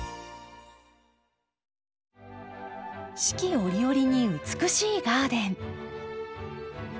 四季折々に美しいガーデン。